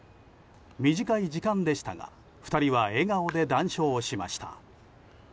短い時間でしたが、２人は笑顔で談笑しました。